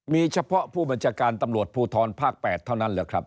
มีเฉพาะผู้บัญชาการตำรวจภูทรภาค๘เท่านั้นเหรอครับ